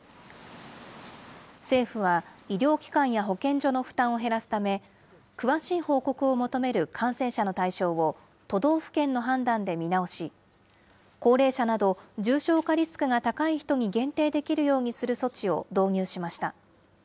政府は、医療機関や保健所の負担を減らすため、詳しい報告を求める感染者の対象を都道府県の判断で見直し、高齢者など重症化リスクが高い人に限定できるようにする措置を導入しました。